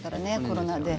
コロナで。